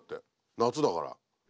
夏だから。